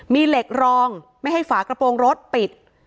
มีเหล็กรองไม่ให้ฝากระโปรงรถปิด